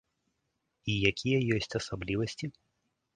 І якія ёсць асаблівасці?